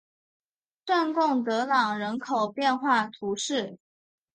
圣贡德朗人口变化图示